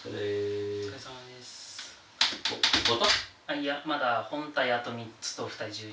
いやまだ本体あと３つと蓋１２枚。